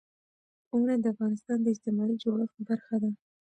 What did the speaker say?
اوړي د افغانستان د اجتماعي جوړښت برخه ده.